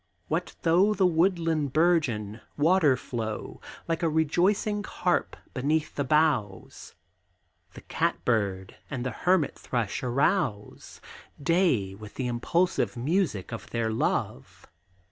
What though the woodland burgeon, water flow, Like a rejoicing harp, beneath the boughs! The cat bird and the hermit thrush arouse Day with the impulsive music of their love!